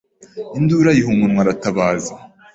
Induru ayiha umunwa aratabaza